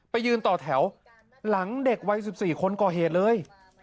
ยืนต่อแถวหลังเด็กวัย๑๔คนก่อเหตุเลย